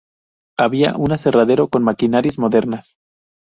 Había un aserradero con maquinarias modernas.